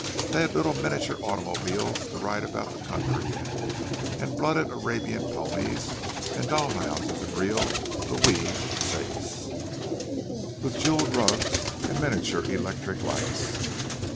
—They had little miniature automobiles to ride about the country in, and blooded Arabian ponies, and doll houses in real Louis Seize, with jewelled rugs and miniature electric lights.